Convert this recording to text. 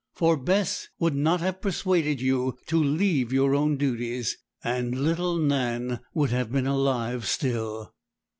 For Bess would not have persuaded you to leave your own duties, and little Nan would have been alive still.'